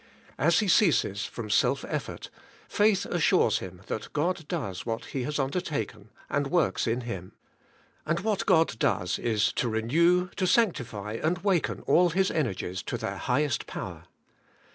As he ceases from self efEort, faith assures him that God does what He has undertaken, and works in him. And what God does is to renew, to sanctify, and waken all his energies to their highest power.